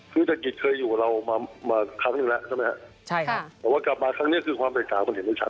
คือจักริตเคยอยู่กับเรามามาครั้งหนึ่งแล้วใช่ไหมฮะใช่ค่ะแต่ว่ากลับมาครั้งนี้คือความแตกต่างมันเห็นชัด